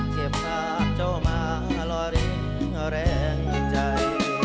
เก็บขาดเจ้ามาละริงแรงใจ